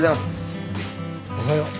おはよう。